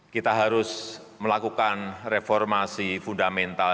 kita harus melakukan reformasi fundamental